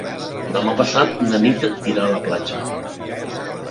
Demà passat na Nit irà a la platja.